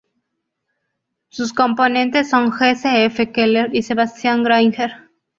Sus componentes son Jesse F. Keeler y Sebastien Grainger.